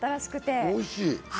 おいしい。